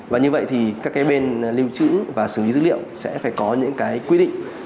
và như vậy thì các cái bên lưu trữ và xử lý dữ liệu sẽ phải có những cái quy định